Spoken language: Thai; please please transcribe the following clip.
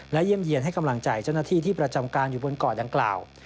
และเยี่ยมเยี่ยนให้กำลังใจเจ้าหน้าที่ที่ประจำการอยู่บนเกาะดังกล่าว